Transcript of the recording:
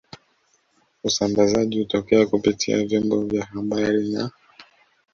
Usambazaji hutokea kupitia vyombo vya habari na